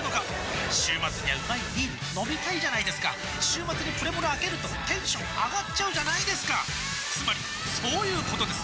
週末にはうまいビール飲みたいじゃないですか週末にプレモルあけるとテンション上がっちゃうじゃないですかつまりそういうことです！